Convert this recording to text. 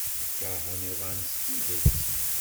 Keṛhen iḍan s tidet.